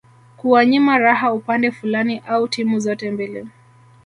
kuwanyima raha upande fulani au timu zote mbili